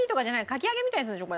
かき揚げみたいにするんでしょ？